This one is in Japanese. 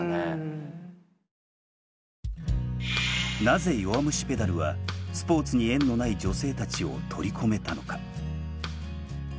なぜ「弱虫ペダル」はスポーツに縁のない女性たちを取り込めたのか？